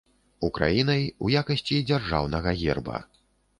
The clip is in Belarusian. Украінай ў якасці дзяржаўнага герба.